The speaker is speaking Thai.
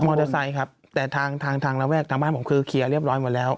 มอเตอร์ไซค์ครับแต่ทางทางระแวกทางบ้านผมคือเคลียร์เรียบร้อยหมดแล้ว